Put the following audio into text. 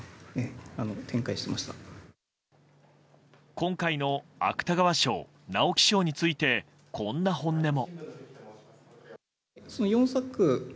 今回の芥川賞・直木賞についてこんな本音も。